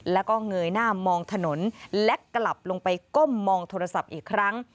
แล้วก็เงยหน้ามองถนนและกลับลงไปก้มมองโทรศัพท์อีกครั้ง